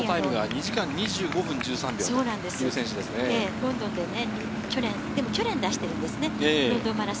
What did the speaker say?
ロンドンで去年出してるんですよね。